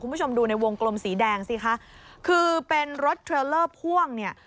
คุณผู้ชมดูในวงกลมสีแดงสิคะคือเป็นรถเทรลเลอร์พ่วงเนี่ย